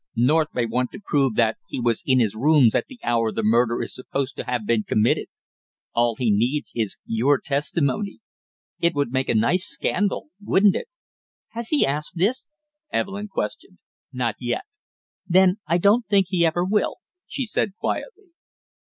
"North may want to prove that he was in his rooms at the hour the murder is supposed to have been committed; all he needs is your testimony, it would make a nice scandal, wouldn't it?" "Has he asked this?" Evelyn questioned. "Not yet!" "Then I don't think he ever will," she said quietly.